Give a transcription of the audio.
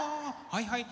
はいはい。